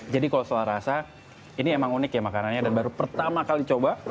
jadi kalau soal rasa ini emang unik ya makanannya dan baru pertama kali coba